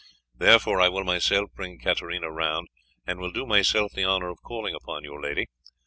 Therefore I will myself bring Katarina round and will do myself the honour of calling upon your lady.